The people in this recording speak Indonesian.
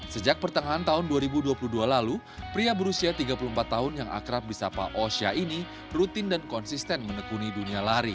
sejak pertengahan tahun dua ribu dua puluh dua lalu pria berusia tiga puluh empat tahun yang akrab di sapa osha ini rutin dan konsisten menekuni dunia lari